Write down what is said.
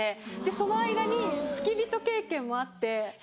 その間に付き人経験もあって。